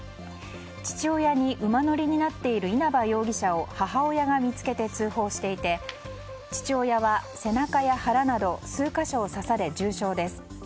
父親に馬乗りになっている稲葉容疑者を母親が見つけて通報していて父親は背中や腹など数か所を刺されて重傷です。